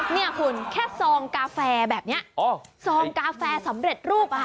นี่คุณแค่ซองกาแฟแบบนี้ซองกาแฟสำเร็จรูป